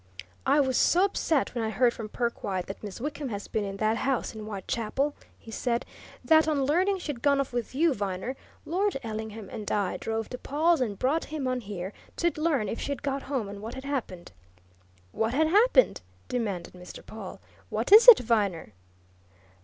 "I was so upset when I heard from Perkwite that Miss Wickham has been in that house in Whitechapel," he said, "that, on learning she'd gone off with you, Viner, Lord Ellingham and I drove to Pawle's and brought him on here to learn if she'd got home and what had happened." "What had happened?" demanded Mr. Pawle. "What is it, Viner?"